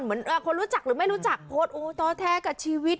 เหมือนคนรู้จักหรือไม่รู้จักโพสต์โอ้ท้อแท้กับชีวิต